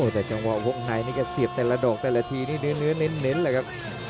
แต่จังหวะวงในนี่ก็เสียบแต่ละดอกแต่ละทีนี่เนื้อเน้นเลยครับ